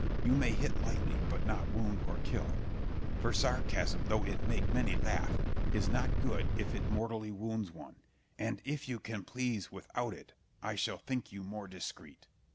You may hit lightly, but not wound or kill; for sarcasm, though it make many laugh, is not good if it mortally wounds one; and if you can please without it, I shall think you more discreet.